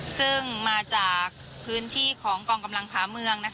ซึ่งมาจากพื้นที่ของกองกำลังผาเมือง